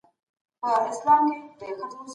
شتمني د خلکو په مرتبه اغېزه لري.